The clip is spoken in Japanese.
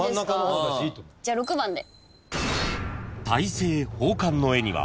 じゃあ６番で。